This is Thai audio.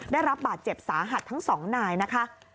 ได้รับบาดเจ็บสาหัสทั้งสองนายนะคะ